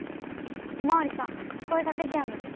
お巡りさん声かけ事案です。